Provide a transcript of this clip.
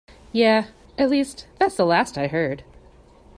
Yeah, at least that's the last I heard.